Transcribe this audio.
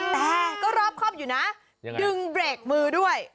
แต่ก็รอบครอบอยู่นะดึงเบรกมือด้วย